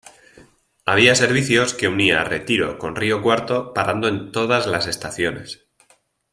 Había servicios que unía Retiro con Río Cuarto parando en todas las estaciones.